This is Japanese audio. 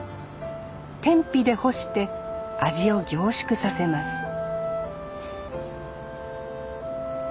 天日で干して味を凝縮させます